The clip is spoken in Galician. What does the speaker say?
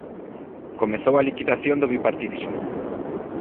Comezou a liquidación do bipartidismo.